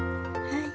はい。